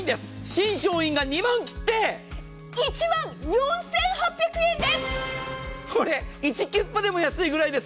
新商品が２万を切って１万４８００円です！！